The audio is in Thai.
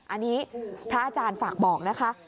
อันนี้พระอาจารย์ฝากบอกนะคะ